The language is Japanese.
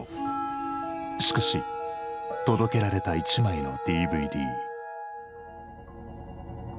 しかし届けられた一枚のＤＶＤ。